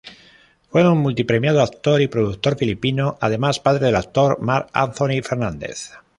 Fue un multi-premiado actor y productor filipino, además padre del actor Mark Anthony Fernández.